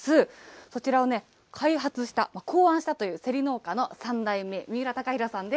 そちらをね、開発した、考案したというせり農家の３代目、三浦隆弘さんです。